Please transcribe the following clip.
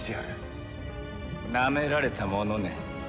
なめられたものね。